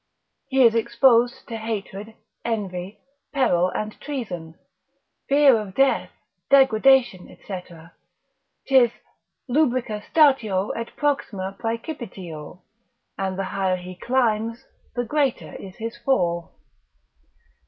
He is exposed to hatred, envy, peril and treason, fear of death, degradation, &c. 'tis lubrica statio et proxima praecipitio, and the higher he climbs, the greater is his fall.